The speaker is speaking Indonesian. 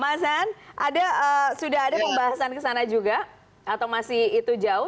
mas han sudah ada pembahasan kesana juga atau masih itu jauh